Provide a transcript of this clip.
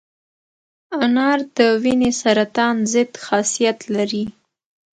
انار د وینې سرطان ضد خاصیت لري.